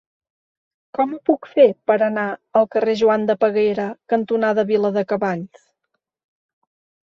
Com ho puc fer per anar al carrer Joan de Peguera cantonada Viladecavalls?